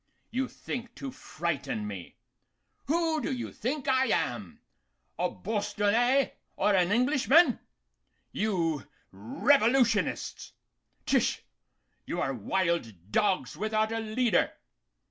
You think to frighten me. Who do you think I am? a Bostonnais or an Englishman? You revolutionists! T'sh! You are wild dogs without a leader.